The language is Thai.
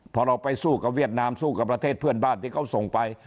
พอเราไปสู้กับเวียดนามสู้กับประเทศเพื่อนบ้านที่เขาส่งไป